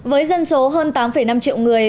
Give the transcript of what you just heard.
với dân số hơn tám năm triệu người